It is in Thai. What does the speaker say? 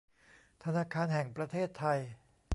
ธนาคารแห่งประเทศไทย